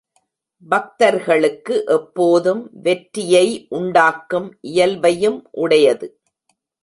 பக்தர்களுக்கு எப்போதும் வெற்றியை உண்டாக்கும் இயல்பையும் உடையது.